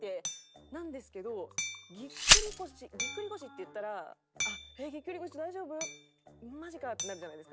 なんですけどぎっくり腰ぎっくり腰っていったら「ぎっくり腰大丈夫？マジか」ってなるじゃないですか。